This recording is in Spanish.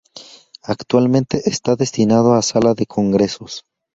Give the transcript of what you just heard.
Actualmente está destinado a sala de congresos.